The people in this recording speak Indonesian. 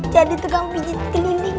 jadi tegang pijit keliling